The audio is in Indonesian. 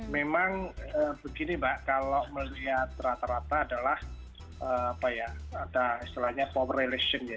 memang begini mbak kalau melihat rata rata adalah ada istilahnya power relation ya